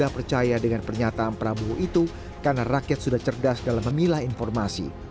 percaya dengan pernyataan prabowo itu karena rakyat sudah cerdas dalam memilah informasi